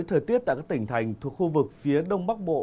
thời tiết tại các tỉnh thành thuộc khu vực phía đông bắc bộ